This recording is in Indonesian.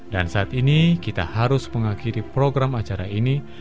dan saat ini kita harus mengakhiri program acara ini